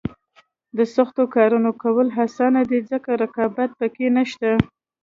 د سختو کارونو کول اسانه دي ځکه رقابت پکې نشته.